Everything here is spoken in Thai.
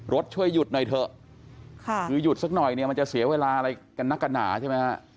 ช่วยหยุดหน่อยเถอะคือหยุดสักหน่อยเนี่ยมันจะเสียเวลาอะไรกันนักกระหนาใช่ไหมฮะ